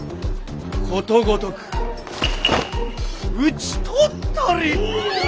ことごとく討ち取ったり！